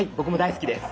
好きです。